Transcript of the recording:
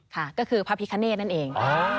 ค่ะก็คือพระพิคเนธนั่นเอง